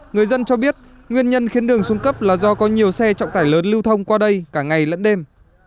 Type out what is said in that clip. người dân cho biết nguyên nhân khiến đường xuống cấp là do có nhiều xe trọng tải lớn lưu thông qua đây cả ngày lẫn đêm